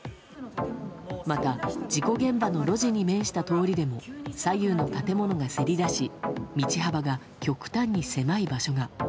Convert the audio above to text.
また、事故現場の路地に面した通りでも左右の建物がせり出し道幅が極端に狭い場所が。